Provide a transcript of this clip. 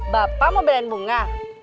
bapak mau belain bunga